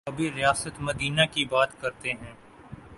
کبھی ریاست مدینہ کی بات کرتے ہیں۔